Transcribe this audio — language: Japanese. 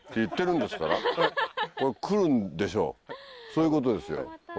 そういうことですよ。